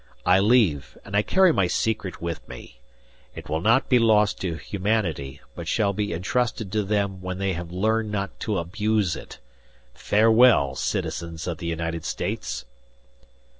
I leave, and I carry my secret with me. It will not be lost to humanity, but shall be entrusted to them when they have learned not to abuse it. Farewell, Citizens of the United States!"